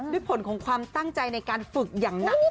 ผลของความตั้งใจในการฝึกอย่างหนัก